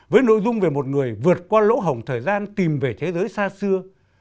với nội dung về một người vượt qua lỗ hồng thời gian tìm về thế giới xa xưa